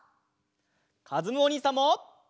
かずむおにいさんも！